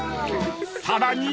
［さらに］